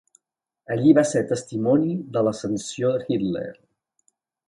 Allí va ser testimoni de l'ascensió de Hitler.